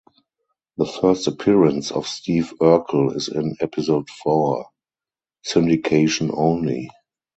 The first appearance of Steve Urkel is in episode four (syndication only).